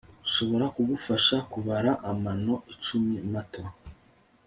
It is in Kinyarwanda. nshobora kugufasha kubara amano icumi mato